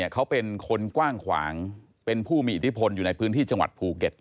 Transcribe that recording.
เขาเป็นคนกว้างขวางเป็นผู้มีอิทธิพลอยู่ในพื้นที่จังหวัดภูเก็ต